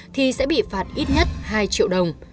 thì sẽ bị phạt ít nhất hai lít khí thở